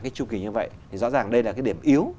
cái chu kỳ như vậy thì rõ ràng đây là cái điểm yếu